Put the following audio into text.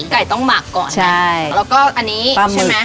ไก่ต้องหมักก่อนใช่แล้วก็อันนี้ใช่ไหม